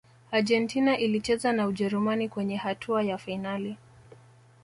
argentina ilicheza na ujerumani kwenye hatua ya fainali